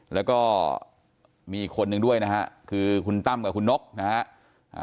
แล้วก็มีอีกคนนึงด้วยนะฮะคือคุณตั้มกับคุณนกนะฮะ